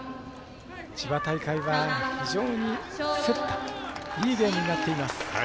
千葉大会は非常に競ったいいゲームになっています。